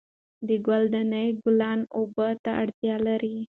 د ګل دانۍ ګلان اوبو ته اړتیا لري.